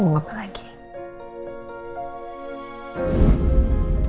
pada saat itu